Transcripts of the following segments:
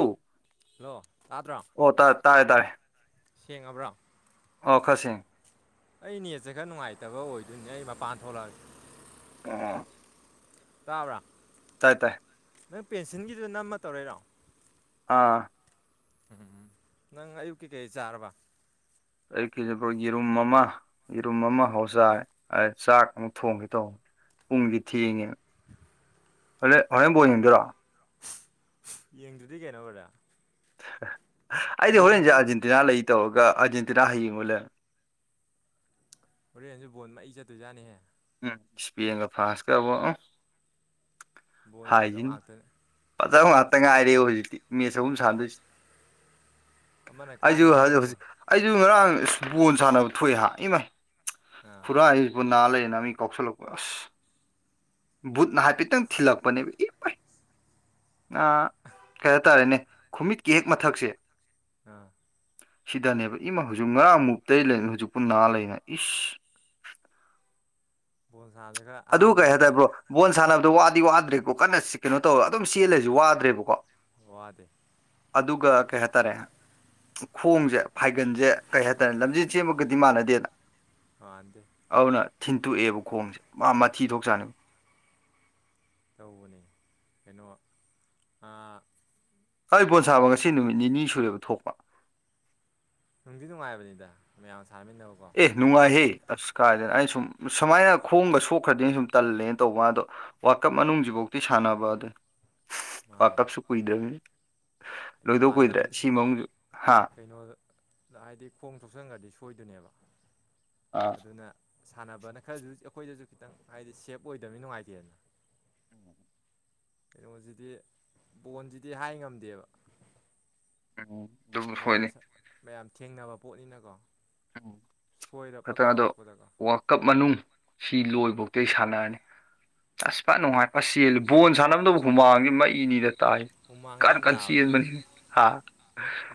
ꯑꯝ ꯍꯜꯂꯣ ꯇꯥꯗ꯭ꯔꯣ ꯑꯣ ꯇꯥ ꯇꯥꯔꯦ ꯇꯥꯔꯦ ꯁꯦꯡꯉꯕ꯭꯭ꯔꯣ ꯑꯣ ꯈꯔ ꯁꯦꯡꯉꯤ ꯑꯩ ꯅꯦꯠꯁꯦ ꯈꯔ ꯅꯨꯡꯉꯥꯏꯇꯕ ꯑꯣꯏꯗꯣꯏꯅꯦ ꯑꯩ ꯃꯄꯥꯟ ꯊꯣꯛꯂꯛꯑꯒꯦ ꯎꯝ ꯇꯥꯕ꯭ꯔꯥ ꯇꯥꯏ ꯇꯥꯏ ꯅꯪ ꯄꯦꯟꯁꯤꯟꯒꯤꯗꯨ ꯅꯝꯃ ꯇꯧꯔꯛꯏꯔꯣ ꯑꯥ ꯎꯝ ꯅꯪ ꯑꯌꯨꯛꯀꯤ ꯀꯩ ꯆꯥꯔꯕ ꯑꯌꯨꯛꯀꯤ ꯌꯦꯔꯨꯝ ꯑꯃ ꯌꯦꯔꯨꯝ ꯑꯃ ꯍꯧꯔ ꯆꯥꯔꯦ ꯆꯥꯛ ꯑꯃꯨꯛ ꯊꯣꯡꯒꯦ ꯇꯧꯕ ꯄꯨꯡꯗꯤ ꯊꯦꯡꯉꯦ ꯍꯣꯔꯦ ꯍꯣꯔꯦꯟ ꯕꯣꯜ ꯌꯦꯡꯗꯣꯏꯔꯣ ꯌꯦꯡꯗꯗꯤ ꯀꯩꯅꯣ ꯕ꯭ꯔꯗꯔ ꯑꯩꯗꯤ ꯍꯣꯔꯦꯟꯁꯦ ꯌꯦꯡꯗꯧ ꯑꯥꯔꯖꯦꯟꯇꯤꯅꯥ ꯂꯩ ꯇꯧꯔꯒ ꯑꯥꯔꯖꯦꯟꯇꯤꯅꯥ ꯍꯌꯦꯡ ꯑꯣꯢ ꯂꯩꯔꯝꯃꯤ ꯍꯣꯔꯦꯟꯁꯨ ꯕꯣꯟ ꯃꯩ ꯆꯠꯇꯣꯏꯖꯥꯅꯤꯍꯦ ꯎꯝ ꯏꯁꯄꯦꯟꯒ ꯐ꯭ꯔꯥꯟꯁꯀ ꯑꯕꯣ ꯎꯝ ꯕꯣꯟꯁꯦ ꯐꯖꯕ ꯉꯥꯛꯇꯅꯤ ꯥꯐꯖꯕ ꯉꯥꯛꯇ ꯉꯥꯏꯔꯦꯕꯣ ꯍꯧꯖꯤꯛꯇꯤ ꯃꯦꯁ ꯑꯍꯨꯝ ꯁꯥꯟꯗꯣꯏꯁꯤ ꯑꯃꯅ ꯑꯩꯁꯨ ꯀꯥꯅꯤ ꯍꯧ ꯍꯥꯏ ꯍꯧ ꯉꯝꯃꯣꯏ ꯑꯩꯁꯨ ꯉꯔꯥꯡ ꯕꯣꯜ ꯁꯥꯟꯅꯕ ꯊꯣꯛꯑꯦ ꯍꯥ ꯏꯃꯥꯏ ꯑꯥ ꯄꯨꯔꯥ ꯑꯩꯁꯤꯕꯨ ꯅꯥ ꯂꯩꯌꯦꯅ ꯃꯤ ꯀꯥꯎꯁꯜꯂꯛꯄ ꯑꯁ ꯕꯨꯠꯅ ꯍꯥꯏꯐꯦꯠꯇꯪ ꯊꯤꯜꯂꯛꯄꯅꯦꯕ ꯏ ꯅꯥ ꯀꯩ ꯍꯥꯢꯇꯥꯥꯔꯦꯅꯦ ꯈꯨꯃꯤꯠꯀꯤ ꯍꯦꯛ ꯃꯊꯛꯁꯦ ꯑꯥ ꯁꯤꯗꯅꯦꯕ ꯏꯃ ꯍꯧꯖꯤꯛ ꯉꯔꯥꯡ ꯃꯨꯛꯇꯩ ꯂꯩ ꯍꯧꯖꯤꯛꯄꯨ ꯅꯥ ꯂꯩꯅ ꯏꯁ ꯕꯣꯜ ꯁꯥꯟꯅꯁꯤ ꯈꯔ ꯑꯗꯨ ꯀꯩ ꯑꯍꯥꯟꯕꯩꯗꯤ ꯍꯥꯏꯇꯥꯔꯦ ꯈꯔ ꯕ꯭ꯔꯣ ꯕꯣꯜ ꯁꯥꯟꯅꯕꯗꯣ ꯋꯥꯗꯤ ꯋꯥꯗ꯭ꯔꯦꯀꯣ ꯀꯟꯅ ꯀꯩꯅꯣ ꯇꯧꯔ ꯑꯗꯨꯝ ꯆꯦꯜꯂꯁꯨ ꯋꯥꯗ꯭ꯔꯦꯕꯀꯣ ꯋꯥꯗꯦ ꯑꯗꯨꯒ ꯀꯩ ꯍꯥꯇꯥꯔꯦ ꯈꯣꯡꯖꯦ ꯐꯥꯏꯒꯟꯖꯦ ꯀꯩ ꯍꯥꯏꯇꯥꯔꯦ ꯂꯝꯖꯦꯟ ꯆꯦꯟꯕꯒꯗꯤ ꯃꯥꯟꯅꯗꯦꯅ ꯃꯟꯗꯦ ꯑꯧꯅ ꯊꯤꯟꯇꯣꯛꯑꯦꯕ ꯈꯣꯡꯁꯦ ꯃꯥ ꯃꯊꯤ ꯊꯣꯛ ꯆꯥꯅꯤꯕ ꯇꯧꯕꯅꯦ ꯀꯩꯅꯣ ꯑꯥ ꯃꯥꯏ ꯕꯣꯟ ꯁꯥꯕ ꯉꯁꯤ ꯍꯥ ꯅꯨꯃꯤꯠ ꯅꯤꯅꯤ ꯁꯨꯔꯦꯕ ꯊꯣꯛꯄ ꯅꯨꯡꯗꯤ ꯅꯨꯡꯉꯥꯏꯕꯅꯤꯗ ꯃꯌꯥꯝ ꯁꯥꯃꯤꯟꯅꯕꯀꯣ ꯑꯦ ꯅꯨꯡꯉꯥꯏꯍꯦ ꯑꯁ ꯀꯥꯏꯗꯅꯣ ꯑꯩ ꯁꯨꯝ ꯁꯨꯃꯥꯏꯅ ꯈꯣꯡꯕꯒ ꯁꯣꯛꯈ꯭ꯔꯗꯤ ꯑꯅ ꯁꯨꯝ ꯇꯜꯂꯦ ꯇꯧꯋꯥꯗꯣ ꯋꯥꯔꯀꯞ ꯃꯅꯨꯡꯁꯤꯐꯧꯗꯤ ꯁꯥꯟꯅꯕ ꯑꯗ ꯋꯥꯔ ꯃꯥꯅꯦ ꯀꯞꯁꯨ ꯀꯨꯏꯗ꯭ꯔꯕꯅꯤ ꯂꯣꯏꯗꯧ ꯀꯨꯏꯗ꯭ꯔꯦ ꯁꯤ ꯃꯑꯣꯡꯁꯨ ꯍꯥ ꯀꯩꯅꯣꯗ ꯍꯥꯏꯗꯤ ꯈꯣꯡ ꯊꯣꯆꯣꯛꯁꯟꯈ꯭ꯔꯗꯤ ꯁꯣꯏꯗꯣꯏꯅꯦꯕ ꯑꯥ ꯑꯗꯨꯅ ꯁꯥꯟꯅꯕꯅ ꯈꯔꯁꯨ ꯑꯩꯈꯣꯏꯗꯁꯨ ꯈꯤꯇꯪ ꯍꯥꯏꯗꯤ ꯁꯦꯞ ꯑꯣꯏꯗꯕꯅꯤ ꯅꯨꯡꯉꯥꯏꯇꯦꯗꯅ ꯀꯩꯅꯣꯁꯤꯗꯤ ꯕꯣꯟꯁꯤꯗꯤ ꯍꯥꯏ ꯉꯝꯗꯦꯕ ꯎꯝ ꯗꯨꯕꯨ ꯃꯌꯥꯝꯁꯥ ꯃꯌꯥꯝ ꯊꯦꯡꯅꯕ ꯄꯣꯠꯅꯤꯅꯀꯣ ꯁꯣꯏꯔꯛꯄ ꯈꯇ ꯑꯗꯣ ꯀꯥꯎꯔꯛꯄꯗꯀꯣ ꯋꯥꯔꯜꯀꯞ ꯃꯅꯨꯡ ꯁꯤ ꯂꯣꯏꯐꯧꯇꯤ ꯁꯥꯟꯅꯔꯅꯤ ꯑꯁ ꯐꯠ ꯅꯨꯡꯉꯥꯏ ꯄꯁ ꯆꯦꯜꯂꯤ ꯕꯣꯜ ꯁꯅꯅꯕꯗꯧꯕ ꯍꯨꯃꯥꯡꯒꯤ ꯃꯩꯅꯤꯗ ꯇꯥꯏ ꯍꯨꯃꯥꯡꯗꯤ ꯀꯅ ꯌꯥꯝ ꯀꯟ ꯆꯟꯕꯅꯤ ꯍꯥ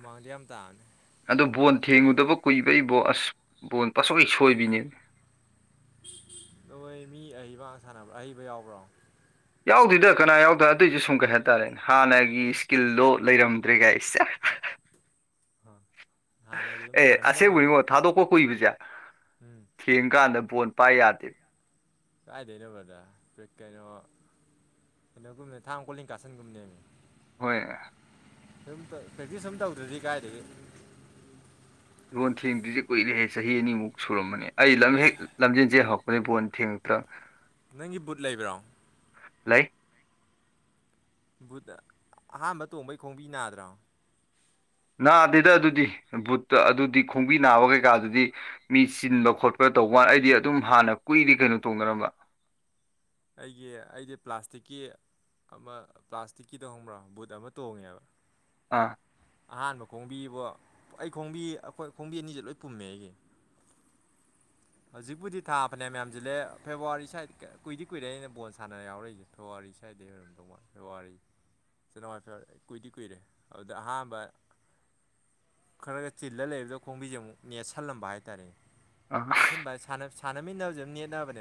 ꯃꯥꯖꯤꯑꯝ ꯇꯥꯅꯦ ꯑꯗꯨ ꯕꯣꯟ ꯊꯦꯡꯉꯨꯗꯕ ꯀꯨꯏꯕꯩꯕꯣ ꯑꯁ ꯕꯣꯟ ꯄꯁꯣꯏ ꯁꯣꯏꯕꯤꯅꯦ ꯅꯣꯏ ꯃꯤ ꯑꯍꯩꯕꯒ ꯁꯥꯟꯅꯕ꯭ꯔꯥ ꯑꯍꯩꯕ ꯌꯥꯎꯕ꯭ꯔꯣ ꯌꯥꯎꯗꯦꯗ ꯀꯅꯥ ꯌꯥꯎꯗꯥ ꯑꯗꯨꯏꯁꯨ ꯁꯨꯝ ꯀꯩꯍꯦꯟ ꯇꯥꯔꯦ ꯍꯥꯟꯅꯒꯤ ꯍꯣꯏ ꯏꯁꯀꯤꯜꯗꯣ ꯂꯩꯔꯝꯗ꯭ꯔꯦ ꯀꯥꯏꯁ ꯁꯦꯁ ꯍꯥꯥ ꯑꯦ ꯑꯁꯡꯕꯨꯃꯣ ꯊꯥꯗꯣꯛꯄꯥ ꯀꯨꯏꯕꯁꯦ ꯎꯝ ꯊꯦꯡ ꯀꯥꯟꯗ ꯕꯣꯟ ꯄꯥꯏ ꯌꯥꯗꯦ ꯀꯥꯏꯗꯣꯏꯅꯣ ꯕ꯭ꯔꯗꯔꯥ ꯀꯩꯅꯣ ꯀꯩꯅꯣꯒꯨꯝꯅꯦ ꯊꯥꯡ ꯀꯣꯂꯤꯡꯀꯥꯁꯟꯒꯨꯝꯅꯦꯃꯦ ꯍꯣꯏ ꯌꯥ ꯇꯧꯕꯨꯇ ꯄ꯭ꯔꯦꯇꯤꯁ ꯑꯝꯇꯧꯗ꯭ꯔꯗꯤ ꯀꯥꯏꯗ ꯒꯤ ꯕꯣꯟ ꯊꯦꯡꯗꯨ꯭ꯔꯤꯁꯦ ꯀꯨꯏꯔꯦꯍꯦ ꯆꯍꯤ ꯑꯅꯤꯃꯨꯛ ꯁꯨꯔꯝꯃꯅꯦ ꯑꯩ ꯂꯝ ꯍꯦꯛ ꯂꯝꯖꯦꯟ ꯆꯦꯟ ꯍꯧꯔꯛꯄꯗꯒꯤ ꯕꯣꯟ ꯊꯦꯡꯉꯛꯇ꯭ꯔꯥ ꯅꯪꯒꯤ ꯕꯨꯠ ꯂꯩꯕ꯭ꯔꯣ ꯂꯩ ꯕꯨꯠ ꯑꯍꯥꯝꯕ ꯇꯣꯡꯕꯩ ꯈꯣꯡꯕꯤ ꯅꯗ꯭ꯔꯣ ꯅꯥꯗꯦꯗ ꯑꯗꯨꯗꯤ ꯕꯨꯠꯇ ꯑꯗꯨꯗꯤ ꯈꯣꯡꯕꯤ ꯅꯥꯕ ꯀꯩꯀꯥꯗꯨꯗꯤ ꯃꯤ ꯆꯤꯟꯕ ꯈꯣꯠꯄ ꯇꯧꯋꯥꯟꯅꯦ ꯑꯩꯗꯤ ꯑꯗꯨꯝ ꯍꯥꯟꯅ ꯀꯨꯏꯔꯤ ꯀꯩꯅꯣ ꯇꯧꯅꯔꯝꯕ ꯑꯩꯒꯤ ꯑꯩꯗꯤ ꯄ꯭ꯂꯥꯁꯇꯤꯛꯀꯤ ꯑꯃ ꯄ꯭ꯂꯥꯁꯇꯤꯛꯀꯤꯗ ꯍꯣꯡꯕ꯭ꯔꯣ ꯕꯨꯠ ꯑꯃ ꯇꯣꯡꯉꯦꯕ ꯑꯥ ꯑꯍꯥꯟꯕ ꯈꯣꯡꯕꯤꯕꯣ ꯑꯩ ꯈꯣꯡꯕꯤ ꯑꯩꯈꯣꯏ ꯈꯣꯡꯕꯤ ꯑꯅꯤꯁꯦ ꯂꯣꯏ ꯄꯨꯝꯃꯦ ꯑꯩꯒꯤ ꯍꯧꯖꯤꯛꯄꯨꯗꯤ ꯊꯥ ꯐꯅꯦꯝꯃꯌꯥꯝꯁꯤꯜꯂꯦ ꯐꯦꯕꯋꯥꯔꯤ ꯁ꯭ꯋꯥꯗ ꯀꯨꯏꯗꯤ ꯀꯨꯏꯔꯦ ꯑꯩꯅ ꯕꯣꯜ ꯁꯥꯕ ꯌꯥꯎꯔꯛꯏꯁꯦ ꯊꯧꯋꯔꯤ ꯁꯥꯏꯗꯦꯏ ꯑꯣꯏꯗꯧ ꯃꯥꯜꯂꯦ ꯐꯦꯋꯥꯔꯤ ꯖꯦꯟꯅꯥꯋꯔꯤ ꯐꯤꯋꯔꯤ ꯀꯨꯏꯗꯤ ꯀꯨꯏꯔꯦ ꯑꯗꯨꯗ ꯑꯍꯥꯟꯕ ꯈꯔ ꯆꯤꯜꯂ ꯂꯩꯕꯗꯣ ꯈꯣꯡꯕꯤꯁꯦ ꯑꯃꯨꯛ ꯅꯦꯠꯁꯜꯂꯝꯕ ꯍꯥꯏꯇꯔꯦ [inaudible] ꯊꯟꯕ ꯁꯥ ꯁꯅꯕꯃꯤꯟꯅꯥꯖꯕ ꯅꯤꯠꯅꯦꯕ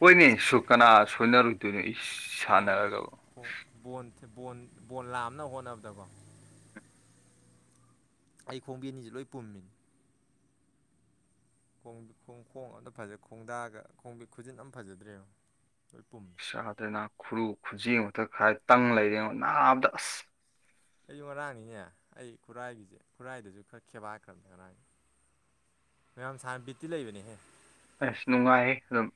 ꯍꯣꯏꯅꯦ ꯁꯨ ꯀꯅꯥ ꯁꯣꯏꯅꯔꯨꯗꯣꯏꯅꯣ ꯏꯁ ꯍꯥꯏꯗꯤ ꯁꯥꯟꯅꯔꯒꯕꯨ ꯕꯣ ꯕꯣꯟ ꯕꯣꯟ ꯕꯣꯟ ꯂꯥꯝꯅꯕ ꯍꯣꯠꯅꯕꯗꯀꯣ ꯑꯩ ꯈꯣꯡꯕꯤ ꯑꯅꯤꯁꯤ ꯂꯣꯏ ꯄꯨꯝꯃꯤꯅꯤ ꯈꯣꯡ ꯈꯣꯡ ꯑꯝꯇ ꯐꯖꯩ ꯈꯣꯡꯗꯥꯑꯒ ꯈꯣꯡꯕꯤ ꯈꯨꯖꯤꯟ ꯑꯃ ꯐꯖꯗ꯭ꯔꯦ ꯂꯣꯏ ꯄꯨꯝ ꯆꯥꯗ꯭ꯔꯦꯅ ꯈꯨꯔꯨ ꯈꯨꯖꯤꯛ ꯃꯛꯇꯛ ꯈꯥꯏ ꯇꯪ ꯂꯩꯔꯦꯡꯉ ꯅꯥꯕꯗ ꯑꯁ ꯑꯩꯁꯨ ꯉꯔꯥꯡꯅꯤꯅꯦ ꯑꯩ ꯈꯨꯔꯥꯏꯒꯤꯁꯦ ꯈꯨꯔꯥꯏꯗꯁꯨ ꯈꯔ ꯈꯦꯕꯥꯈ꯭ꯔꯕꯅꯦ ꯉꯔꯥꯡꯅꯤ ꯃꯌꯥꯝ ꯁꯥꯟꯕꯤꯠꯇꯤ ꯂꯩꯕꯅꯦꯍꯦ ꯑꯁ ꯅꯨꯡꯉꯥꯏ ꯑꯗꯨꯝ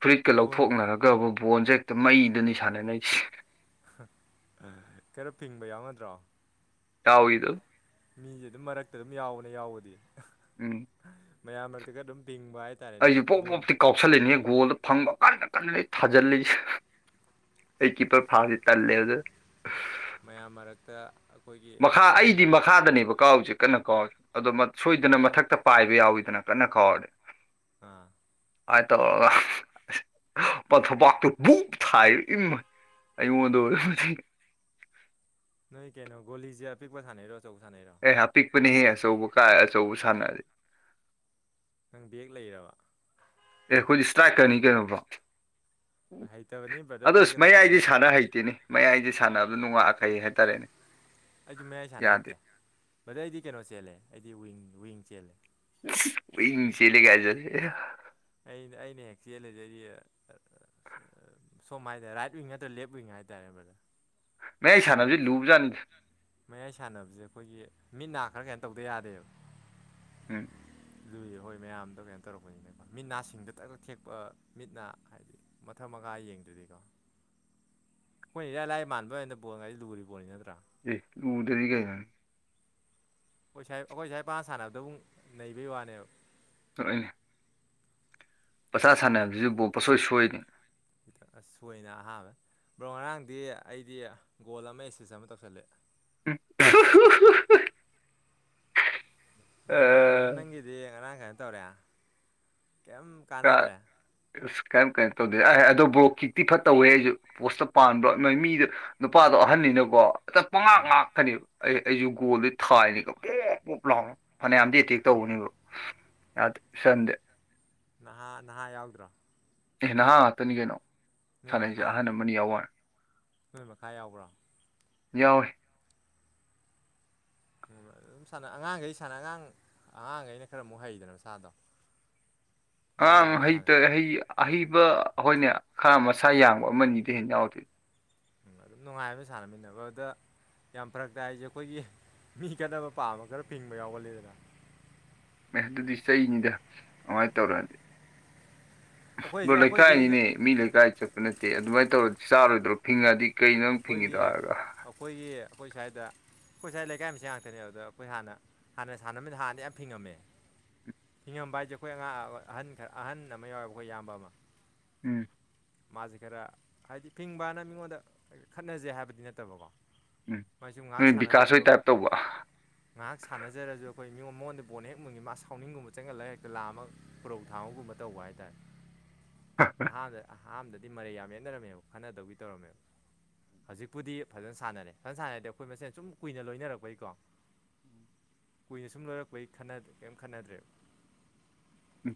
ꯐꯨꯔꯤꯠꯀ ꯒꯣꯟ ꯂꯧꯊꯣꯛꯅꯔ ꯒꯕ ꯕꯣꯟꯁꯦ ꯍꯦꯛꯇ ꯃꯩꯗꯅꯤ ꯁꯥꯟꯅꯅꯩ ꯑꯩꯁꯦ ꯍꯥ ꯀꯩꯅꯣ ꯐꯤꯡꯕ ꯌꯥꯎꯅꯗ꯭ꯔꯣ ꯌꯥꯎ ꯏꯗꯨ ꯃꯤꯁꯦ ꯑꯗꯨꯝ ꯃꯔꯛꯇ ꯑꯗꯨꯝ ꯌꯥꯎꯕꯅꯦ ꯌꯥꯎꯕꯗꯤ ꯎꯝ ꯃꯌꯥꯝ ꯃꯔꯛꯇꯒ ꯑꯗꯨꯝ ꯄꯤꯡꯕ ꯍꯥꯏ ꯑꯩꯁꯨ ꯄꯣꯞ ꯄꯣꯞꯇꯤ ꯀꯥꯎꯁꯤꯜꯂꯤꯅꯦ ꯒꯣꯜꯗ ꯐꯪꯕ ꯀꯟꯅ ꯀꯟꯅ ꯂꯩ ꯊꯥꯖꯤꯜꯂꯤꯁꯦ ꯑꯩꯒꯤ ꯏꯄꯔ ꯐꯥꯕꯤ ꯇꯂꯦ ꯑꯗꯨ ꯃꯌꯥꯝ ꯃꯔꯛꯇ ꯑꯩꯈꯣꯏꯒꯤ ꯃꯈꯥ ꯕꯣꯟ ꯑꯩꯗꯤ ꯃꯈꯥꯗꯅꯦꯕ ꯀꯥꯎꯁꯛ ꯀꯟꯅ ꯀꯥꯎꯁꯤ ꯑꯗꯣ ꯁꯣꯏꯗꯅ ꯃꯊꯛꯇ ꯄꯥꯏꯕ ꯌꯥꯎꯋꯤꯗꯅ ꯀꯟꯅ ꯀꯥꯎꯔꯗꯤ ꯑꯥ ꯍꯥꯏ ꯇꯧꯔꯒ ꯄꯊꯄꯥꯛꯇꯨ ꯕꯨꯛ ꯊꯥꯏ ꯏꯃꯥꯏ ꯑꯩꯉꯣꯟꯗ ꯅꯣꯏ ꯀꯩꯅꯣ ꯒꯣꯂꯤꯁꯦ ꯑꯄꯤꯛꯄ ꯁꯥꯟꯅꯩꯔꯣ ꯑꯆꯧ ꯁꯥꯟꯅꯩꯔꯣ ꯑꯦ ꯑꯄꯤꯛꯄꯅꯤꯍꯦ ꯑꯆꯧꯕ ꯀꯥꯏ ꯑꯆꯧꯕ ꯁꯥꯟꯅꯔꯁꯦ ꯅꯪ ꯕꯒ ꯂꯩꯔꯕ ꯑꯦ ꯑꯩꯈꯣꯏꯗꯤ ꯏꯁꯇ꯭ꯔꯥꯏꯛꯀꯔꯅꯤ ꯀꯩꯅꯣꯕ꯭ꯔꯣ ꯍꯩꯇꯕꯅꯤ ꯕ꯭ꯔꯗꯔ ꯑꯗꯨ ꯕꯦꯛꯀ ꯊꯝꯃꯝꯗꯧ ꯃꯌꯥꯏꯗꯤ ꯃꯥꯜꯂꯦ ꯁꯥꯟꯅ ꯍꯩꯇꯦꯅꯤ ꯃꯌꯥꯏꯗꯤ ꯁꯥꯟꯅꯕꯗ ꯅꯨꯡꯉꯛꯈꯩ ꯍꯥꯏꯇꯥꯔꯦ ꯑꯩꯁꯨ ꯃꯌꯥꯏ ꯁꯥꯟꯅ ꯍꯩꯇꯦ ꯕꯗꯩ ꯑꯩꯗꯤ ꯀꯩꯅꯣ ꯆꯦꯜꯂꯦ ꯑꯩꯗꯤ ꯋꯤꯡ ꯋꯤꯡ ꯆꯦꯜꯂꯦ [unintelligible] ꯆꯦꯂꯒꯖꯁꯦ ꯑꯩꯅ ꯑꯩꯅ ꯍꯦꯛ ꯆꯦꯜ ꯂꯩꯖꯔꯤ ꯁꯣꯝ ꯍꯥꯏꯔꯦ ꯔꯥꯏꯠ ꯋꯤꯡ ꯅꯠꯇ꯭ꯔ ꯂꯦꯞ ꯋꯤꯡ ꯍꯥꯏꯇꯥꯔꯦ ꯃꯗ ꯃꯑꯩ ꯁꯥꯟꯅꯕꯁꯤ ꯂꯨꯕꯖꯥꯠꯅꯤꯗ ꯃꯌꯥꯏ ꯁꯥꯟꯅꯕꯁꯦ ꯑꯩꯈꯣꯏꯒꯤ ꯃꯤꯠ ꯅꯥ ꯈꯔ ꯀꯩ ꯇꯧꯗ ꯌꯥꯗꯦꯕ ꯎꯝ ꯂꯨꯏ ꯍꯣꯏ ꯃꯌꯥꯝꯗꯣ ꯀꯩꯅꯣ ꯇꯧꯔꯛꯄꯅꯤꯅꯦ ꯃꯤꯠ ꯅꯥ ꯁꯤꯡꯗ ꯇꯛꯇ ꯊꯦꯛꯄ ꯃꯤꯠ ꯅꯥ ꯍꯥꯏꯗꯤ ꯃꯊꯛ ꯃꯉꯥ ꯌꯦꯡꯗꯨꯏꯅꯤꯗꯣ ꯑꯩꯈꯣꯏ ꯏꯥꯔꯏ ꯂꯥꯏ ꯃꯥꯟꯕ ꯍꯥꯏꯅ ꯕꯣꯜꯥꯏꯁꯤ ꯂꯨꯔꯤꯕꯣꯅꯤ ꯅꯠꯇ꯭ꯔꯥ ꯑꯦ ꯂꯨꯗꯗꯤꯀꯩꯅꯣ ꯑꯩꯈꯣꯏꯁꯥꯏ ꯑꯩꯈꯣꯏ ꯁꯥꯏ ꯄꯥ ꯁꯥꯟꯅꯕꯗꯨ ꯅꯩꯕꯩ ꯋꯥꯅꯦꯕ [unintelligible] ꯄꯆꯥ ꯁꯥꯟꯅꯅꯕꯁꯤꯕꯨ ꯄꯣꯁꯣꯏ ꯁꯣꯏꯅꯤ ꯈꯤꯇ ꯑ ꯁꯣꯏꯅ ꯑꯍꯥꯃꯦ ꯕ꯭ꯔꯣ ꯉꯔꯥꯡꯗꯤ ꯑꯩꯗꯤ ꯒꯣꯜ ꯑꯃ ꯑꯦꯛꯁꯦꯁ ꯑꯃ ꯇꯧꯁꯜꯂꯑꯦ [unintelligible] ꯅꯪ ꯅꯪꯒꯤꯗꯤ ꯉꯔꯥꯡ ꯀꯩꯅꯣ ꯇꯧꯔꯦ ꯀꯩꯝ ꯀꯥꯟꯅꯗ꯭ꯔꯦ [unintelligible] ꯑꯁ ꯀꯔꯤꯝ ꯀꯩꯅꯣ ꯇꯧꯗꯦ ꯑ ꯑꯗꯨ ꯕꯨ꯭ꯔꯣ ꯈꯤꯛꯇꯤ ꯐꯠꯇ ꯇꯧꯋꯦ ꯑꯩꯁꯨ ꯄꯣꯁꯇ ꯄꯥꯟꯕ꯭ꯔꯣ ꯅꯣꯏ ꯃꯤꯗꯨ ꯅꯨꯄꯥꯗꯣ ꯑꯍꯟꯅꯤꯅꯀꯣ ꯑꯇ ꯄꯉꯥꯛ ꯎꯝ ꯉꯥꯛꯀꯅꯤ ꯑꯩ ꯑꯩꯁꯨ ꯒꯣꯜꯗ ꯊꯥꯏꯅꯤ ꯄꯣꯞ ꯄꯣꯞ ꯂꯥꯎꯅ ꯐꯅꯌꯥꯝꯗꯤ ꯑꯦꯇꯦꯛ ꯇꯧꯕꯅꯦꯕ ꯌꯥꯗꯦ ꯆꯟꯗꯦ ꯅꯍꯥ ꯅꯍꯥ ꯌꯥꯎꯗ꯭ꯔꯣ ꯑꯦ ꯅꯍꯥ ꯉꯥꯛꯇꯅꯤ ꯀꯩꯅꯣ ꯅꯣꯏ ꯁꯥꯟꯅꯩꯁꯦ ꯃꯈꯥ ꯑꯍꯟ ꯑꯃꯅꯤ ꯌꯥꯎꯋ ꯅꯣꯏ ꯃꯈꯥ ꯌꯥꯎꯕ꯭ꯔꯣ ꯌꯥꯎꯋꯦ ꯎ ꯑꯗꯨꯝ ꯁꯥꯟꯅ ꯑꯉꯥꯡꯈꯩ ꯁꯥꯟꯅ ꯑꯉꯥꯡ ꯑꯉꯥꯡꯈꯩꯅ ꯈꯔ ꯑꯃꯨꯛ ꯍꯩꯗꯅ ꯃ ꯁꯥꯥꯗꯣ [inaudible] ꯑꯉꯥꯡ ꯍꯩꯇꯩ ꯑꯍꯩꯕ ꯑꯩꯈꯣꯏꯅꯦ ꯈꯔ ꯃꯁꯥ ꯌꯥꯡꯕ ꯑꯃꯅꯤꯗꯤ ꯍꯦꯟꯅ ꯌꯥꯎꯗꯦ ꯎꯝ ꯑꯗꯨꯝ ꯅꯨꯡꯉꯥꯏ ꯁꯥꯟꯅꯃꯤꯟꯅꯕ ꯑꯗ ꯌꯥꯝ ꯐꯔꯛꯇ ꯍꯥꯏꯁꯦ ꯑꯩꯈꯣꯏꯒꯤ ꯃꯤ ꯈꯠꯅꯕ ꯄꯥꯝꯕ ꯈꯔ ꯐꯤꯡꯕ ꯌꯥꯎꯒꯜꯂꯤꯗꯅ ꯑꯦ ꯑꯗꯨꯗꯤ ꯆꯩꯅꯤꯗ ꯑꯃꯥꯏ ꯇꯧꯔꯛꯑꯗꯤ ꯑꯩꯈꯣꯏꯁꯦ ꯑꯩꯈꯣꯏꯗꯤ ꯂꯩꯀꯥꯏꯅꯤꯅꯦ ꯃꯤ ꯂꯩꯀꯥꯏ ꯆꯠꯄ ꯅꯠꯇꯦ ꯑꯗꯨꯃꯥꯏꯅ ꯇꯧꯔꯗꯤ ꯆꯥꯔꯣꯏꯗ꯭ꯔꯣ ꯐꯤꯡꯉꯗꯤ ꯀꯩꯅꯣ ꯅꯪ ꯐꯤꯡꯉꯤꯗꯣ ꯑꯩꯈꯣꯏꯒꯤ ꯍꯥꯏꯔꯒ ꯑꯩꯈꯣꯏꯒꯤ ꯑꯩꯈꯣꯏ ꯁ꯭ꯋꯥꯏꯗ ꯑꯩꯈꯣꯏ ꯉꯁꯥꯏ ꯂꯩꯀꯥꯏ ꯑꯃꯁꯦꯟ ꯉꯥꯛꯇꯅꯦ ꯑꯗꯨꯗ ꯑꯩꯈꯣꯏ ꯍꯥꯟꯅ ꯍꯥꯟꯅ ꯁꯥꯟꯅꯕꯗꯅ ꯍꯥꯟꯅ ꯌꯥꯝ ꯐꯤꯡꯉꯝꯃꯦ ꯐꯤꯡꯉꯝꯕ ꯍꯥꯏꯁꯦ ꯑꯩꯈꯣꯏ ꯑꯉꯥꯡ ꯑꯍꯟ ꯈꯔ ꯑꯍꯟ ꯑꯃ ꯌꯥꯎꯋꯦꯕ ꯑꯩꯈꯣꯏ ꯎꯌꯥꯝꯕ ꯑꯃ ꯎꯝ ꯃꯥꯁꯦ ꯈꯔ ꯍꯥꯏꯗꯤ ꯐꯤꯡꯕꯅ ꯃꯤꯉꯣꯟꯗ ꯈꯠꯅꯖꯦ ꯍꯥꯏꯕꯗꯤ ꯅꯠꯇꯕꯀꯣ ꯎꯝ ꯃꯣꯏꯁꯨ ꯉꯥꯏꯍꯥꯛ ꯅꯣꯏ ꯕꯤꯀꯥꯁ ꯍꯣꯏ ꯁꯥꯟꯅꯖꯕꯗꯨꯝ ꯇꯥꯏꯞ ꯇꯧꯕ ꯉꯥꯏꯍꯥꯛ ꯁꯥꯟꯅꯖꯔꯁꯨ ꯑꯩꯈꯣꯏ ꯃꯤꯉ ꯃꯉꯣꯟꯗ ꯕꯣꯟ ꯍꯦꯛ ꯃꯨꯟꯒꯤ ꯃꯥ ꯁꯥꯎꯅꯤꯡꯒꯨꯝꯕ ꯆꯪꯒꯠꯂꯒꯦꯛꯇ ꯂꯥꯝꯃ‌ ‌ ꯈꯨꯔꯧ ꯊꯥꯕꯒꯨꯝꯕ ꯇꯧꯕ ꯍꯥꯏꯇꯥꯔꯦ [inaudible] ꯑꯍꯥꯟꯕꯗ ꯑꯍꯥꯥꯟꯕꯗꯗꯤ ꯃꯔꯩ ꯌꯥꯝ ꯂꯦꯟꯅꯔꯝꯃꯦꯕ ꯈꯟꯅꯗꯧꯒꯤ ꯇꯧꯔꯝꯃꯦꯕ ꯍꯧꯖꯤꯛꯄꯨꯗꯤ ꯐꯖꯅ ꯁꯥꯟꯅꯔꯦ ꯐꯖꯅ ꯁꯥꯟꯅꯔꯦꯗꯤ ꯑꯩꯈꯣꯏ ꯃꯁꯦꯟ ꯁꯨꯝ ꯀꯨꯏꯅ ꯂꯣꯏꯅꯔꯛꯄꯩꯀꯣ ꯀꯨꯏꯅ ꯁꯨꯝ ꯂꯣꯏꯔꯛꯄꯒꯤ ꯈꯠꯅꯥꯗ꯭ꯔꯦ ꯀꯦꯝ ꯈꯟꯅꯗ꯭ꯔꯦꯕ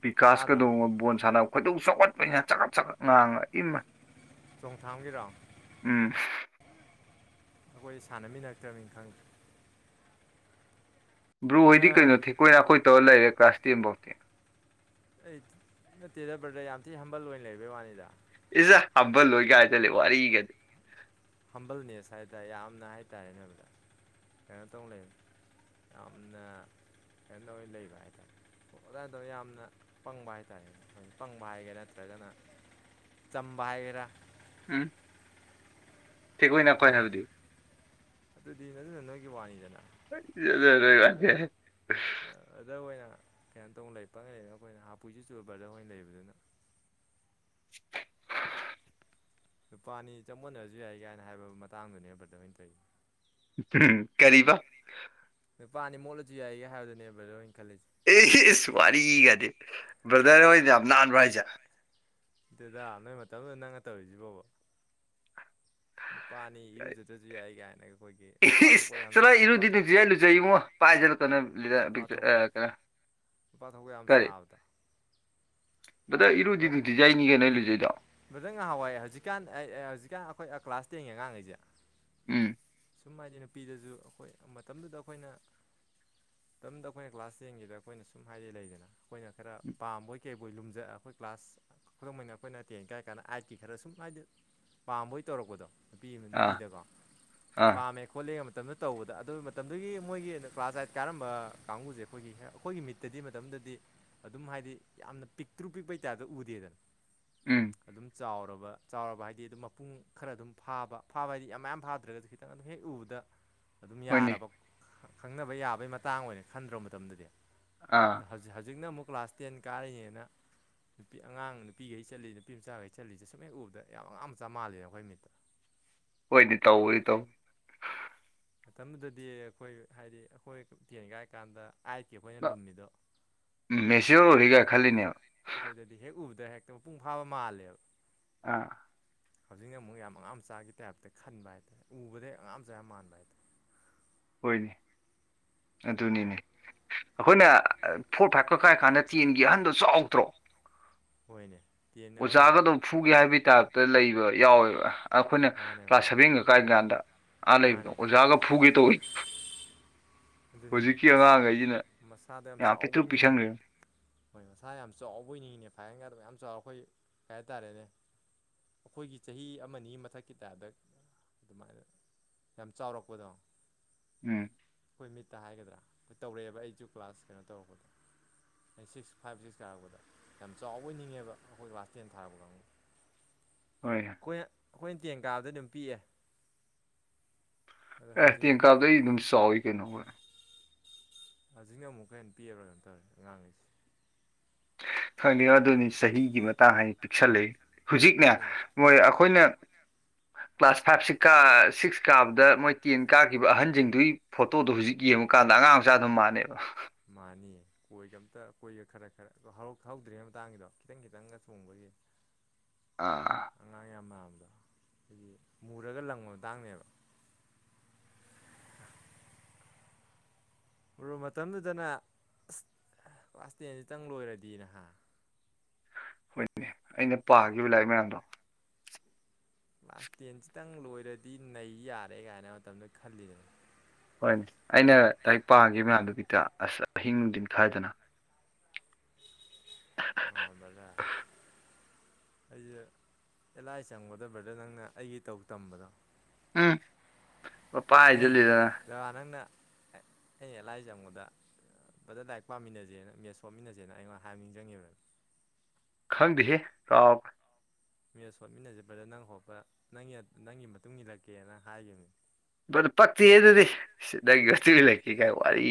ꯕꯤꯀꯥꯁꯀꯩꯗꯣꯉꯣ ꯕꯣꯜ ꯁꯥꯟꯅꯕ ꯈꯣꯏꯗꯧ ꯆꯥꯎꯈꯠꯄꯅꯤꯅꯥ ꯆꯒꯠ ꯆꯒꯠ ꯉꯥꯡꯉ ꯏꯃꯥꯏ ꯆꯣꯡꯊꯥꯝꯒꯤꯔꯣ ꯎꯝ ꯑꯩꯈꯣꯏ ꯁꯥꯟꯅꯃꯤꯟꯅꯛꯇ꯭ꯔꯕꯅꯤꯅ ꯈꯪꯗꯦ ꯕ꯭ꯔꯣ ꯍꯥ ꯍꯣꯏꯗꯤ ꯀꯩꯅꯣ ꯊꯤꯀꯣꯏ ꯅꯥꯀꯣꯏ ꯇꯧꯔ ꯂꯩꯔꯦ ꯀ꯭ꯂꯥꯁ ꯇꯦꯟ ꯐꯧꯗꯤ ꯍꯩ ꯅꯠꯇꯦꯗꯥ ꯕꯔꯗꯔ ꯌꯥꯝ ꯊꯤ ꯍꯝꯕꯜ ꯑꯣꯏꯅ ꯂꯩꯕꯩ ꯋꯥꯅꯤꯗ ꯏꯁ ꯍꯝꯕꯜ ꯑꯣꯏꯒꯥ ꯍꯥꯏꯖꯜꯂꯦ ꯋꯥꯔꯤꯒꯗꯤ ꯍꯝꯕꯜꯅꯦꯁ ꯍꯥꯏꯇꯥꯔꯦ ꯌꯥꯝꯅ ꯍꯥꯏꯇꯥꯔꯦ ꯕꯔꯗꯔ ꯀꯩꯅꯣ ꯇꯧꯅ ꯂꯩ ꯌꯥꯝꯅ ꯀꯩꯅꯣ ꯑꯧꯏꯅ ꯂꯩꯕ ꯍꯥꯏꯇꯥꯔꯦ ꯑꯗ꯭ꯋꯥꯏꯗꯣ ꯌꯥꯝꯅ ꯄꯪꯕ ꯍꯥꯏꯇꯥꯥꯔꯦꯅꯦ ꯄꯪꯕ ꯍꯥꯏꯒꯦꯔ ꯅꯠꯇ꯭ꯔꯒꯅ ꯆꯝꯕ ꯍꯥꯏꯒꯦꯔꯥ ꯎꯝ ꯊꯦꯛꯀꯣꯏ ꯅꯀꯣꯏ ꯈꯪ ꯍꯥꯏꯕꯗꯤ ꯑꯗꯨꯗꯤ ꯑꯗꯨꯗꯨꯅ ꯅꯣꯏꯒꯤ ꯋꯥꯅꯤꯗꯅ [unintelligible] [inaudible] ꯕ꯭ꯔꯗꯔ ꯑꯣꯏꯅ ꯀꯩꯅꯣ ꯇꯧꯅ ꯂꯩ ꯄꯪ ꯂꯩ ꯑꯩꯈꯣꯏꯅ ꯍꯥꯄꯨꯁꯨ ꯆꯨꯕ ꯕ꯭ꯔꯗꯔ ꯑꯣꯏꯅ ꯂꯩꯕꯗꯨꯅ [unintelligible] ꯅꯨꯄꯥꯅꯤ ꯆꯃꯣꯠꯅꯔꯁꯨ ꯌꯥꯏ ꯀꯥꯏꯅ ꯍꯥꯏꯕ ꯃꯇꯥꯡꯗꯨꯅꯦ ꯕ꯭ꯔꯗꯔ ꯍꯣꯏꯅ ꯇꯧꯋ ꯀꯔꯤꯕ ꯅꯨꯄꯥꯅꯤ ꯃꯣꯠꯂꯁꯨ ꯌꯥꯏꯒ ꯍꯥꯏꯕꯗꯨꯅꯦꯕꯗ ꯕꯥꯔꯗꯔ ꯍꯣꯏꯅꯥ ꯈꯜꯂꯤꯁꯦ ꯑꯦ ꯏꯁ ꯋꯥꯔꯤꯒꯗꯤ ꯕ꯭ꯔꯗꯔ ꯍꯣꯏ ꯌꯥꯝ ꯅꯥꯟꯕ꯭ꯔꯥ ꯍꯥꯏꯁꯦ ꯅꯠꯇꯦꯗꯥ ꯅꯣꯏ ꯃꯇꯝꯗꯨꯗ ꯅꯪꯅ ꯇꯧꯔꯤꯁꯤꯕꯣꯕ ꯅꯨꯄꯥꯅꯤ ꯏꯔꯨꯖꯗ꯭ꯔꯁꯨ ꯌꯥꯏꯒꯥꯏꯅꯥ ꯑꯩꯈꯣꯏꯒꯤ ꯅꯨꯄꯥ ꯏꯁ ꯊꯣꯛꯄ ꯌꯥꯝ ꯆꯠꯂꯣ ꯅꯨꯄꯥ ꯏꯔꯨꯗꯤ ꯅꯨꯡꯇꯤꯖꯥꯏ ꯂꯨꯖꯩ ꯏꯕꯨꯡꯉꯣ ꯅꯨꯄꯥ ꯄꯥꯏꯖꯜꯂꯨ ꯀꯩꯅꯣ ꯊꯣꯛ ꯂꯤꯗ ꯅꯨꯄꯥ ꯕꯤꯛꯇ ꯊꯣꯛꯄ ꯑ ꯀꯩꯅꯣ ꯅꯨꯄꯥ ꯊꯣꯛꯄꯥ ꯌꯥꯝ ꯁꯥꯕꯗꯣ ꯕꯔꯗꯔ ꯏꯔꯨꯗꯤ ꯖ ꯅꯨꯡꯇꯤꯖꯥꯏꯅꯤ ꯀꯩꯅꯣ ꯑꯩ ꯂꯨꯖꯩꯗꯣ ꯕꯔꯥꯗꯔ ꯉꯍꯥꯟꯋꯥꯏ ꯍꯧꯖꯤꯛꯀꯥꯟ ꯑꯩ ꯍꯧꯖꯤꯛꯀꯥꯟ ꯑꯩꯈꯣꯏ ꯀ꯭ꯂꯥꯁ ꯇꯦꯟꯒꯤ ꯑꯉꯥꯡꯉꯩꯁꯦ ꯎꯝ ꯁꯨꯝ ꯍꯥꯏꯗꯤ ꯅꯨꯄꯤꯗꯁꯨ ꯑꯩꯈꯣꯏ ꯃꯇꯝꯗꯨꯗ ꯑꯩꯈꯣꯏꯅ ꯃꯇꯝꯗ ꯑꯩꯈꯣꯏꯅ ꯀ꯭ꯂꯥꯁ ꯇꯦꯟꯒꯤꯗ ꯑꯩꯈꯣꯏꯅ ꯁꯨꯝ ꯍꯥꯏꯗꯤ ꯂꯩꯗꯅ ꯑꯩꯈꯣꯏꯅ ꯈꯔ ꯄꯥꯝꯕꯣꯏ ꯀꯩꯕꯣꯏ ꯂꯨꯝꯖ ꯑꯩꯈꯣꯏ ꯀ꯭ꯂꯥꯁ ꯈꯨꯗꯝ ꯑꯣꯏꯅ ꯑꯩꯈꯣꯏꯅ ꯇꯦꯟ ꯀꯥꯏ ꯀꯥꯟꯗ ꯑꯥꯏꯠꯀꯤ ꯈꯔ ꯁꯨꯝ ꯍꯥꯏꯗꯤ ꯄꯥꯝꯕꯣꯏ ꯇꯧꯔꯛꯄꯗꯣ ꯅꯨꯄꯤ ꯑꯃꯗ ꯑꯥ ꯅꯨꯄꯤꯗꯀꯣ ꯑꯥ ꯄꯥꯝꯃꯦ ꯈꯣꯠꯂꯦꯒ ꯃꯇꯝꯗꯨꯗ ꯇꯧꯕꯗ ꯑꯗꯨ ꯃꯇꯝꯗꯨꯒꯤ ꯃꯣꯏꯒꯤ ꯀ꯭ꯂꯥꯁ ꯑꯥꯏꯠ ꯀꯥꯔꯝꯕ ꯀꯥꯡꯕꯨꯁꯦ ꯑꯩꯈꯣꯏꯒꯤ ꯍꯦꯛ ꯑꯩꯈꯣꯏꯒꯤ ꯃꯤꯠ ꯇꯗꯤ ꯃꯇꯝꯗꯗꯤ ꯑꯗꯨꯝ ꯍꯥꯏꯗꯤ ꯌꯥꯝꯅ ꯄꯤꯛꯇ꯭ꯔꯨ ꯄꯤꯛꯄꯩ ꯇꯥꯏꯞꯇꯥ ꯎꯗꯦꯗꯅ ꯎꯝ ꯑꯗꯨꯝ ꯆꯥꯎꯔꯕ ꯆꯥꯎꯔꯕ ꯍꯥꯏꯗꯤ ꯑꯗꯨꯝ ꯃꯄꯨꯡ ꯈꯔ ꯑꯗꯨꯝ ꯐꯥꯕ ꯐꯥꯕ ꯍꯥꯏꯗꯤ ꯌꯥꯝ ꯃꯌꯥꯝ ꯐꯥꯗ꯭ꯔꯒꯁꯨ ꯈꯤꯇꯪ ꯑꯗꯨꯝ ꯍꯦꯛ ꯎꯕꯗ [inaudible] ꯑꯗꯨꯝ ꯌꯥꯔꯕ ꯈꯪꯅꯕ ꯌꯥꯕꯒꯤ ꯃꯇꯥꯡ ꯑꯣꯏꯅ ꯈꯟꯗ꯭ꯔꯣ ꯃꯇꯝꯗꯗꯤ ꯑꯥ ꯑ ꯍꯧꯖꯤꯛ ꯍꯧꯖꯤꯛꯅ ꯑꯃꯨꯛ ꯀ꯭ꯂꯥꯁ ꯇꯦꯟ ꯀꯥꯔꯤꯅꯦꯅ ꯅꯨꯄꯤ ꯑꯉꯥꯡ ꯅꯨꯄꯤꯈꯩ ꯆꯠꯂꯤꯁ ꯅꯨꯄꯤ ꯃꯆꯥꯈꯩ ꯆꯠꯂꯤꯁꯦ ꯁꯨꯝ ꯍꯦꯛ ꯎꯕꯗ ꯌꯥꯝ ꯑꯉꯥꯡ ꯃꯆꯥ ꯃꯥꯜꯂꯦꯕ ꯑꯩꯈꯣꯏ ꯃꯤꯠꯇ ꯍꯣꯏꯗꯤ ꯇꯧꯕꯗꯤ ꯇꯧ ꯃꯇꯝꯗꯨꯗꯗꯤ ꯑꯩꯈꯣꯏ ꯍꯥꯏꯗꯤ ꯑꯩꯈꯣꯏ ꯇꯦꯟ ꯀꯥꯏ ꯀꯥꯟꯗ ꯑꯩꯠꯀꯤ ꯑꯩꯈꯣꯏꯅ ꯂꯨꯝꯃꯤꯗꯣ ꯎꯝ ꯃꯦꯆꯤꯌꯣꯔ ꯑꯣꯏꯔꯦꯒ ꯈꯜꯂꯤꯅꯦꯕ ꯑꯩꯈꯣꯏꯗꯗꯤ ꯍꯦꯛ ꯎꯕꯗ ꯍꯦꯛꯇ ꯃꯄꯨꯡ ꯐꯥꯕ ꯃꯥꯜꯂꯦꯕ ꯑꯥ ꯍꯧꯖꯤꯛꯅ ꯑꯃꯨꯛ ꯌꯥꯝ ꯑꯉꯥꯡ ꯃꯆꯥꯒꯤ ꯇꯥꯏꯞꯇ ꯈꯟꯕ ꯍꯥꯏꯔꯦ ꯎꯕꯗ ꯑꯉꯥꯡ ꯃꯆꯥ ꯌꯥꯝ ꯃꯥꯟꯕ ꯍꯥꯏꯇꯥꯔꯦ ꯍꯣꯏꯅꯦ ꯑꯗꯨꯅꯤꯅꯦ ꯑꯩꯈꯣꯏꯅ ꯐꯣꯔ ꯐꯥꯏꯚꯀ ꯀꯥꯏ ꯀꯥꯟꯗ ꯇꯦꯟꯒꯤ ꯑꯍꯟꯗꯣ ꯆꯥꯎꯗ꯭ꯔꯣ ꯍꯣꯏꯅꯦ ꯇꯦꯟ ꯍꯣꯏꯅꯦ ꯑꯣꯖꯥꯒꯗꯣ ꯐꯨꯒꯦ ꯍꯥꯏꯕꯒꯤ ꯇꯥꯏꯞꯇ ꯂꯩꯕ ꯌꯥꯎꯋꯦ ꯑꯩꯈꯣꯏꯅ ꯃꯥꯅꯦ ꯀ꯭ꯂꯥꯁ ꯃꯥꯅꯦ ꯁꯕꯦꯟꯒ ꯀꯥꯏ ꯀꯥꯟꯗ꯫ ꯑꯥ ꯂꯩꯕꯗꯣ ꯃꯥꯅꯦ ꯑꯣꯖꯥꯒ ꯐꯨꯒꯦ ꯇꯧꯋꯦ ꯑꯗꯨꯅꯤ ꯃꯁꯥ ꯑꯉꯥꯡꯈꯩꯁꯤꯅ ꯃꯁꯥꯗ ꯌꯥꯝ ꯆꯥꯎꯕꯩ ꯄꯤꯛꯇ꯭ꯔꯨ ꯅꯤꯡꯉꯦ ꯄꯤꯛꯁꯟꯈ꯭ꯔꯦ ꯍꯣꯏ ꯃꯁꯥ ꯌꯥꯝ ꯆꯥꯎꯕꯅꯤꯅꯦ ꯐꯥꯏꯒꯟꯒ ꯑꯗꯨꯝ ꯌꯥꯝ ꯆꯥꯎꯔ ꯑꯩꯈꯣꯏ ꯀꯩ ꯍꯥꯏꯇꯥꯔꯦꯅꯦ ꯑꯩꯈꯣꯏꯒꯤ ꯆꯍꯤ ꯑꯃꯅꯤ ꯃꯊꯛꯀꯤ ꯇꯥꯏꯞꯇ ꯑꯗꯨꯃꯥꯏꯅ ꯌꯥꯝ ꯆꯥꯎꯔꯛꯄꯗꯣ ꯎꯝ ꯑꯩꯈꯣꯏ ꯃꯤꯠꯇ ꯍꯥꯏꯒꯗ꯭ꯔꯥ ꯍꯣꯏ ꯇꯧꯔꯛꯑꯦꯕ ꯑꯩꯁꯨ ꯀ꯭ꯂꯥꯁ ꯀꯩꯅꯣ ꯇꯧꯔꯛꯄꯗꯣ ꯑ ꯁꯤꯛꯁ ꯐꯥꯏꯚ ꯁꯤꯛꯁ ꯀꯥꯔꯛꯄꯗ ꯌꯥꯝ ꯆꯥꯎꯕ ꯅꯤꯡꯉꯦꯕ ꯑꯩꯈꯣꯏ ꯀ꯭ꯂꯥꯁ ꯇꯦꯟ ꯊꯥꯔꯛꯄ ꯀꯥꯡꯕꯨ ꯍꯣꯏ ꯑꯩꯈꯣꯏꯅ ꯑꯩꯈꯣꯏꯅ ꯇꯦꯡꯀꯥꯗ ꯑꯗꯨꯝ ꯄꯤꯛꯑꯦ ꯑꯗꯣ ꯍꯧꯖꯤꯛ ꯑꯦꯍꯇꯦꯟ ꯀꯥꯗ ꯑꯩ ꯑꯗꯨꯝ ꯆꯥꯎꯥꯎ ꯀꯩꯅꯣ ꯍꯧꯖꯤꯛꯅ ꯑꯃꯨꯛ ꯍꯟꯅ ꯄꯤꯕ꯭ꯔꯥ ꯑꯗꯨꯩꯅꯅ ꯇꯧꯔꯦ ꯑꯉꯥꯡꯉꯩꯦ ꯈꯪꯅꯤꯉꯣ ꯑꯗꯨꯅꯤ ꯆꯍꯤꯒꯤ ꯃꯇꯥꯡ ꯍꯥꯏꯅ ꯄꯤꯛꯁꯜꯂꯛ ꯍꯧꯖꯤꯛꯅꯦ ꯑꯩꯈꯣꯏ ꯃꯣꯏ ꯑꯩꯈꯣꯏꯅ ꯀ꯭ꯂꯥꯁ ꯐꯥꯏꯚ ꯁꯤꯀ ꯁꯤꯛꯁ ꯀꯥꯕꯗ ꯃꯣꯏ ꯇꯦꯟ ꯀꯥꯈꯤꯕ ꯑꯍꯟꯁꯤꯡꯗꯨꯒꯤ ꯐꯣꯇꯣꯗꯣ ꯍꯧꯖꯤꯛ ꯌꯦꯡꯕꯀꯥꯟꯗ ꯑꯉꯥꯡ ꯃꯆꯥ ꯑꯗꯨꯝ ꯃꯥꯟꯅꯦꯕ ꯃꯥꯅꯤ ꯀꯣꯏꯒ ꯑꯝꯇ ꯀꯣꯏꯒ ꯈꯔ ꯈꯔꯛ ꯍꯧꯗ꯭ꯔꯤꯉꯩ ꯃꯇꯥꯡꯒꯤꯗꯣ ꯈꯤꯇꯪ ꯈꯤꯇꯪꯒ ꯆꯣꯡꯕꯒꯤ ꯑꯥ ꯑꯉꯥꯡ ꯌꯥꯝ ꯃꯕꯗꯣ ꯍꯥꯏꯗꯤ ꯃꯨꯔꯒ ꯂꯪꯕ ꯃꯇꯥꯡꯅꯦꯕ ꯍꯣ ꯃꯇꯝꯗꯨꯗꯅ ꯑ ꯀ꯭ꯂꯥꯁ ꯇꯦꯟꯁꯤꯇꯪ ꯂꯣꯏꯔꯗꯤ ꯅꯍꯥ ꯍꯣꯏꯅꯦ ꯑꯩꯅ ꯄꯥꯈꯤꯕ ꯂꯥꯏꯔꯤꯛ ꯃꯌꯥꯝꯗꯣ ꯀ꯭ꯂꯥꯁ ꯇꯦꯟꯁꯤꯇꯪ ꯂꯣꯏꯔꯗꯤ ꯅꯩ ꯌꯥꯔꯦ ꯀꯥꯏꯅ ꯃꯇꯝꯗ ꯈꯜꯂꯤꯗꯅ ꯍꯣꯏꯅꯦ ꯑꯩꯅ ꯂꯥꯏꯔꯤꯛ ꯄꯥꯝꯒꯦ ꯃꯌꯥꯝꯗꯨꯒꯤꯗ ꯑꯁ ꯑꯍꯤꯡ ꯅꯨꯡꯊꯤꯟ ꯈꯥꯏꯗꯅ ꯑꯣꯔꯣꯕꯂ ꯑꯩꯁꯦ ꯑꯦꯂꯥꯏ ꯆꯪꯒꯗꯕ꯭ꯔꯗ ꯅꯪꯅ ꯑꯩꯒꯤ ꯇꯧ ꯇꯝꯕꯗꯣ ꯎꯝ ꯄ ꯄ ꯑꯩ ꯍꯥꯏꯁꯤꯜꯂꯤꯗꯅ ꯅꯪꯅ ꯑꯩꯅ ꯂꯥꯏꯖꯪꯕꯗ ꯐꯖ ꯂꯗꯥꯔꯤꯛ ꯄꯥꯃꯤꯟꯅꯁꯦꯅ ꯃꯦꯁ ꯁꯣꯠꯃꯤꯟꯅꯁꯦꯅ ꯑꯩꯉꯣꯟꯗ ꯍꯥꯏꯕꯅꯤꯡꯁꯤꯡꯉꯤꯕꯅꯦ ꯈꯪꯗꯦꯍꯦ ꯀꯥꯎꯞ ꯃꯤ ꯁꯣꯠꯃꯤꯟꯅꯖꯄꯗ ꯅꯪ ꯍꯣꯄ ꯅꯪ ꯅꯪꯒꯤ ꯃꯇꯨꯡ ꯏꯜꯂꯛꯀꯦꯅ ꯍꯥꯏꯈꯤꯕꯅꯤ ꯄꯛꯇꯤ ꯑꯗꯨꯗꯤ ꯁꯤ ꯅꯪ ꯇꯤ ꯂꯩꯛꯦ ꯀꯥꯏ ꯋꯥꯔꯤ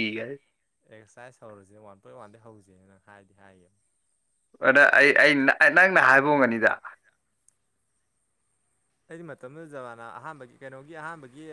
ꯑꯦꯛꯁꯔꯁꯥꯏꯁ ꯍꯧꯔꯁꯦ ꯋꯥꯟ ꯄꯣꯏꯟ ꯋꯥꯟꯗꯩ ꯍꯧꯁꯦꯅ ꯍꯥꯏꯔꯗꯤ ꯍꯥꯏꯌꯦꯕ ꯑꯗ ꯑꯩ ꯅꯪꯅ ꯍꯥꯏꯕꯣꯡꯒꯅꯤꯗ ꯑꯩꯗꯤ ꯃꯇꯝꯗꯨꯗ ꯖꯕꯥꯅ ꯑꯍꯥꯟꯕꯒꯤ ꯀꯩꯅꯣꯒꯤ ꯑꯍꯥꯥꯟꯕꯒꯤ